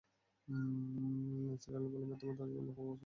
নিসার আলি বললেন, বাথরুমের দরজা বন্ধ হওয়া-সংক্রান্ত ভয় পাওয়া শুরু হল কখন?